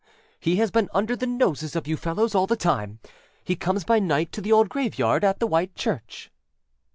He has been under the noses of you fellows all the time. He comes by night to the old graveyard at the White Church.